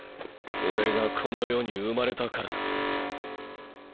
オレがこの世に生まれたからだ。